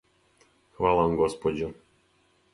Хвала вам, госпођо.